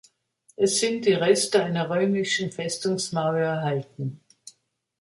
Es sind Reste einer römischen Festungsmauer erhalten.